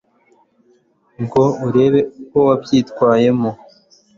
ngo urebe uko wabyitwaramo